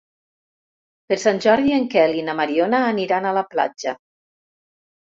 Per Sant Jordi en Quel i na Mariona aniran a la platja.